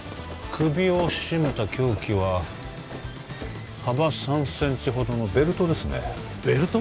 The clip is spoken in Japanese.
首を絞めた凶器は幅３センチほどのベルトですねベルト？